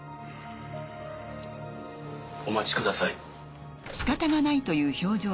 お待ちください。